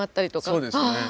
そうですね。